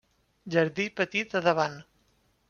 Jardí petit a davant.